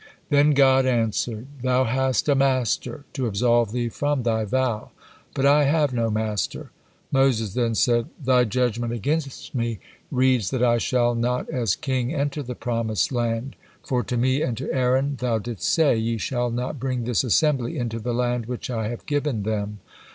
Then God answered: "Thou hast a master to absolve thee from thy vow, but I have no master." Moses then said: "Thy judgement against me reads that I shall not as king enter the promised land, for to me and to Aaron Thou didst say, "Ye shall not bring this assembly into the land which I have given them.'